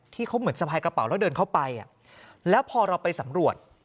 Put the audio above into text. ที่เขาเหมือนสะพายกระเป๋าแล้วเดินเข้าไปแล้วพอเราไปสำรวจ